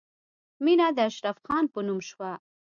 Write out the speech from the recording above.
مینه د اشرف خان په نوم شوه